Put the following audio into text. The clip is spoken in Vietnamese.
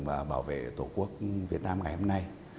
và bảo vệ tổ quốc việt nam ngày hôm nay